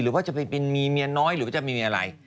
หรือว่าจะไปมีเมียน้อยหรือว่าจะมีเมียอะไร